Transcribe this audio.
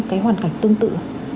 cái hoàn cảnh tương tự